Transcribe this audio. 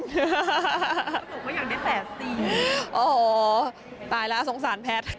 สมมุติว่าอยากได้แสดสี่